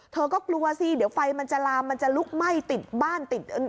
เธอก็กลัวสิเดี๋ยวไฟมันจะลามมันจะลุกไหม้ติดบ้านติด